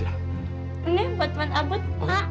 ini buat abut